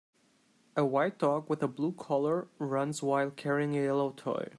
A white dog with a blue collar runs while carrying a yellow toy.